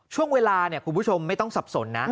ช่วงเวลาคุณผู้ชมไม่ต้องสับสนนะ